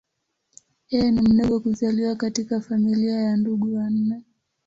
Yeye ni mdogo kuzaliwa katika familia ya ndugu wanne.